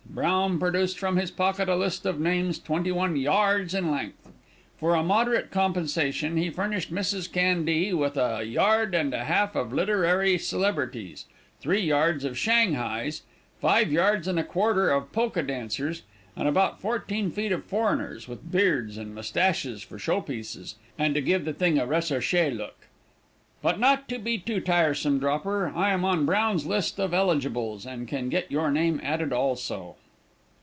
Brown produced from his pocket a list of names twenty one yards in length. For a moderate compensation he furnished Mrs. Candee with a yard and a half of literary celebrities, three yards of 'Shanghaes,' five yards and a quarter of polka dancers, and about fourteen feet of foreigners, with beards and moustaches for show pieces, and to give the thing a 'researcha' look. "But, not to be too tiresome, Dropper, I am on Brown's list of eligibles, and can get your name added also."